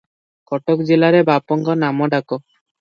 କଟକ ଜିଲ୍ଲାରେ ବାପାଙ୍କ ନାମଡାକ ।